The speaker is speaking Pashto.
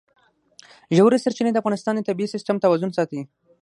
ژورې سرچینې د افغانستان د طبعي سیسټم توازن ساتي.